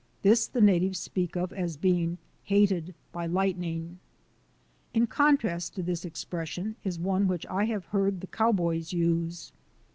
This the natives speak of as being " hated by lightning." In contrast to this expression is one which I have heard the cowboys use.